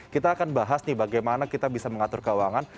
kita akan bahas nih bagaimana kita bisa mengatur keuangan